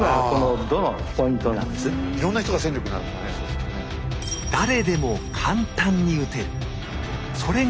いろんな人が戦力になるもんね